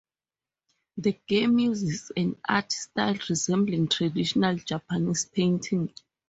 The game uses an art style resembling traditional Japanese painting.